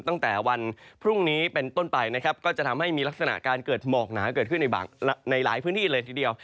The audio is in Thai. ตั้งแต่วันพรุ่งนี้เป็นต้นไปนะครับก็จะทำให้มีลักษณะการเกิดหมอกหนาเกิดขึ้นในหลายพื้นที่เลยทีเดียว